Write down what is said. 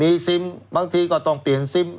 มีซิมบางทีก็ต้องเปลี่ยนซิม